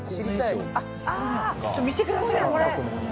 ちょっと見てください、これ。